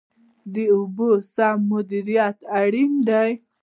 د اوبو سم مدیریت اړین دی